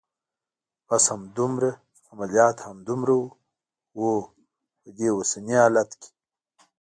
بس همدومره؟ عملیات همدومره و؟ هو، په دې اوسني حالت کې.